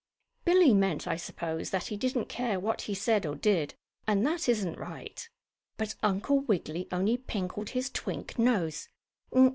Billie meant, I suppose, that he didn't care what he said or did, and that isn't right. But Uncle Wiggily only pinkled his twink nose.